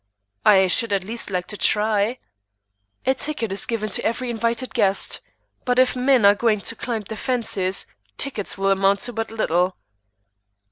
"I should at least like to try." "A ticket is given to every invited guest; but if men are going to climb the fences, tickets will amount to but little."